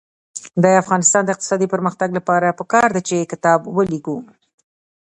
د افغانستان د اقتصادي پرمختګ لپاره پکار ده چې کتاب ولیکو.